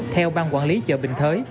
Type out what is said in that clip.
theo ban quản lý chợ bình thới